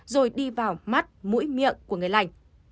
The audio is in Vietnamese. rồi đi vào mắt mũi miệng của người lành